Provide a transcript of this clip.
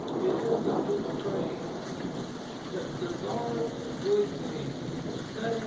It is a good frame That desarves a good name, Say!